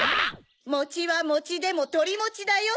⁉もちはもちでもトリモチだよ！